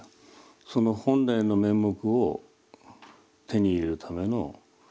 その本来面目を手に入れるための